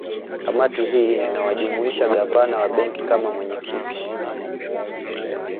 Kamati hii inawajumuisha Gavana wa Benki kama mwenyekiti